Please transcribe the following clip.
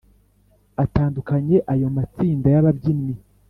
atandukanye Ayo matsinda yababyinnyi